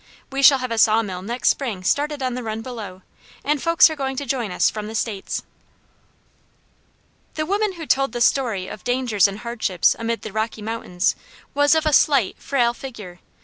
We shall have a saw mill next spring started on the run below, and folks are going to join us from the States." The woman who told this story of dangers and hardships amid the Rocky Mountains was of a slight, frail figure.